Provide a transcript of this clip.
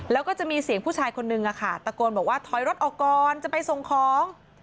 แล้วก็จะมีเสียงผู้ชายคนนึงตะโกนบอกว่าถอยรถออกก่อนจะไปส่งของ